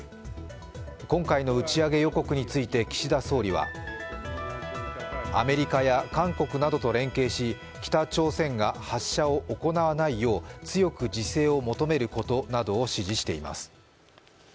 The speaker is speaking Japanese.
今回の打ち上げ予告について岸田総理はアメリカや韓国などと連携し北朝鮮が発射を行わないよう強く自制を求めることなどを指示しています。